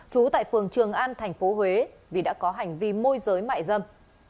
trú tại phường trường an tp huế vì đã có hành vi môi giới mại dâm